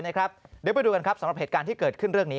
เดี๋ยวไปดูกันครับสำหรับเหตุการณ์ที่เกิดขึ้นเรื่องนี้